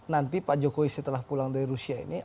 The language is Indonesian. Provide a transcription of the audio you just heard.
nanti pak jokowi setelah pulang dari rusia ini